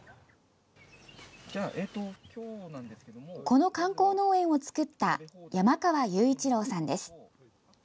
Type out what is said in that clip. この観光農園を作った山川勇一郎さんです。